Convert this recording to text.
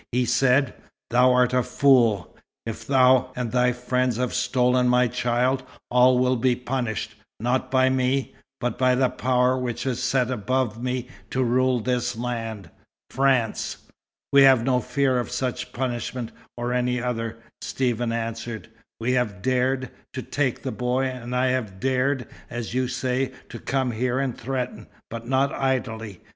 he said. "Thou art a fool. If thou and thy friends have stolen my child, all will be punished, not by me, but by the power which is set above me to rule this land France." "We have no fear of such punishment, or any other," Stephen answered. "We have 'dared' to take the boy; and I have dared, as you say, to come here and threaten, but not idly.